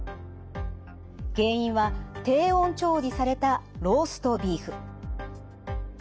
原因は低温調理されたローストビーフ。